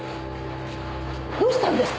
どうしたんですか！？